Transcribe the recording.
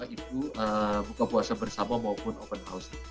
ibu buka puasa bersama maupun open house